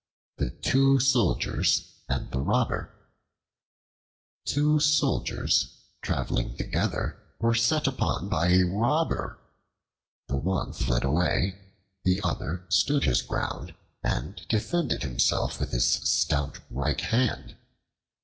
The Two Soldiers and the Robber TWO SOLDIERS traveling together were set upon by a Robber. The one fled away; the other stood his ground and defended himself with his stout right hand.